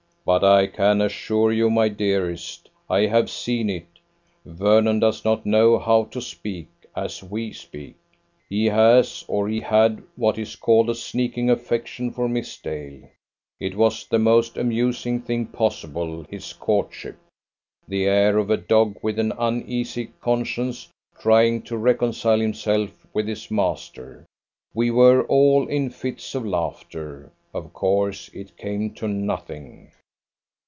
"But I can assure you, my dearest, I have seen it. Vernon does not know how to speak as we speak. He has, or he had, what is called a sneaking affection for Miss Dale. It was the most amusing thing possible; his courtship! the air of a dog with an uneasy conscience, trying to reconcile himself with his master! We were all in fits of laughter. Of course it came to nothing."